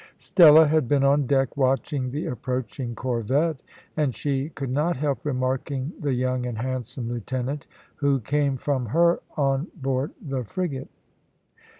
Stella had been on deck, watching the approaching corvette, and she could not help remarking the young and handsome lieutenant who came from her on board the frigate.